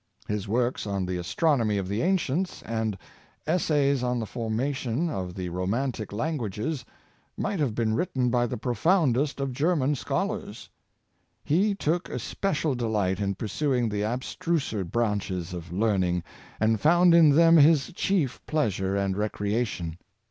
His works on " The Astronomy of the Ancients," and " Essays on the Formation of the Romanic Languages," might have been written by the profoundest of German scholars. He took especial delight in pursuing the ab struser branches of learning, and found in them his chief pleasure and recreation.